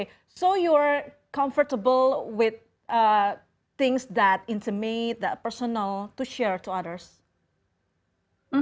jadi anda selesa dengan hal hal yang membuat anda lebih personal untuk berbagi ke orang lain